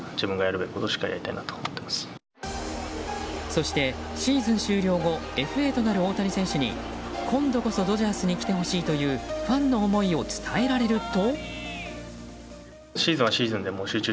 そして、シーズン終了後ＦＡとなる大谷選手に今度こそドジャースに来てほしいというファンの思いを伝えられると。